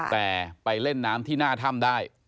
แต่ไปเล่นน้ำที่หน้าถ้ำได้